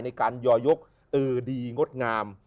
ในการยอยกดีงดงาม